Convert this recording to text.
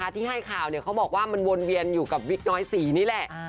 ที่ให้ข่าวเขาบอกว่ามันวนเวียนอยู่กับวิกน้อยศรีนี่แหละ